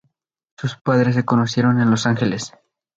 Sus padres se conocieron en Los Angeles.